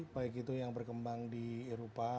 baik itu yang berkembang di eropa